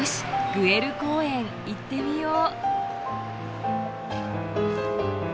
グエル公園行ってみよう！